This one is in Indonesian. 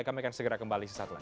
kami akan segera kembali sesaat lagi